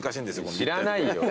知らないよ。